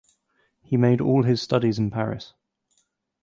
He made all his studies in Paris.